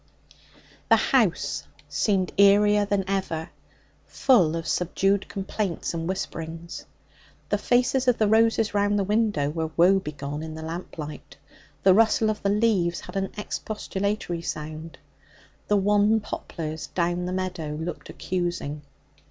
The house seemed eerier than ever, full of subdued complaints and whisperings. The faces of the roses round the window were woe begone in the lamplight. The rustle of the leaves had an expostulatory sound. The wan poplars down the meadow looked accusing.